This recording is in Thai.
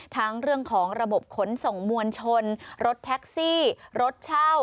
เรื่องของระบบขนส่งมวลชนรถแท็กซี่รถเช่า